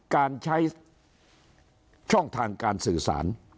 การใช้ช่องทางการสื่อสาร